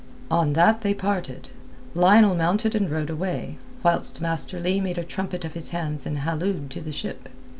On that they parted. Lionel mounted and rode away, whilst Master Leigh made a trumpet of his hands and hallooed to the ship.